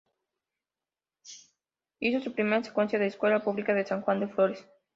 Hizo su primaria y secundaria en la Escuela Pública de San Juan de Flores.